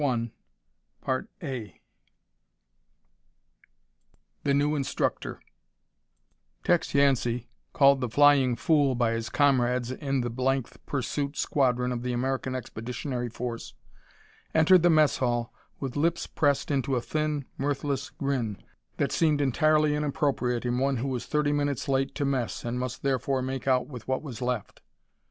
ACES UP CHAPTER I The New Instructor 1 Tex Yancey, called "The Flying Fool" by his comrades in the th Pursuit Squadron of the American Expeditionary Force, entered the mess hall with lips pressed into a thin, mirthless grin that seemed entirely inappropriate in one who was thirty minutes late to mess and must therefore make out with what was left.